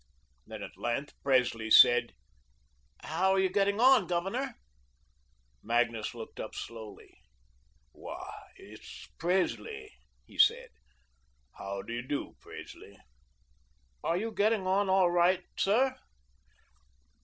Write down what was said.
Then, at length, Presley said: "How are you getting on, Governor?" Magnus looked up slowly. "Why it's Presley," he said. "How do you do, Presley." "Are you getting on all right, sir?"